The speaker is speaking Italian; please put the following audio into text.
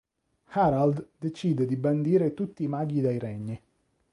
Harald decide di bandire tutti i maghi dai regni.